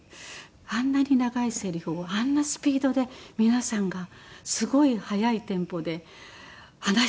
あんなに長いせりふをあんなスピードで皆さんがすごい速いテンポで話してたっていうのが。